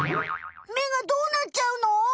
目がどうなっちゃうの？